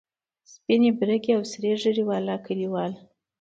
سپینې، برګې او سرې ږیرې والا کلیوال.